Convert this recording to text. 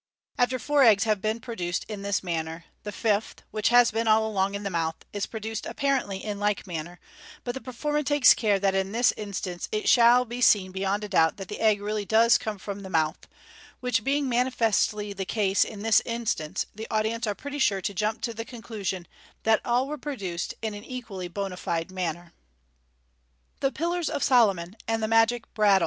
After four eggs have been produced in this manner, the fifth, which has been all along in the mouth, is pro duced apparently in like manner, but the performer takes care that in this instance it shall be seen beyond a doubt that the egg really does come from the mouth ; which being manifestly the case in this in stance, the audience are pretty sure to jump to the conclusion that all were produced in an equally bondjide manner. Fig. 159. Fig. 160. The Pillars of Solomon, and the Magic Bradawl.